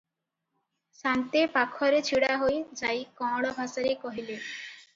ସାନ୍ତେ ପାଖରେ ଛିଡ଼ାହୋଇ ଯାଇ କଅଁଳ ଭାଷାରେ କହିଲେ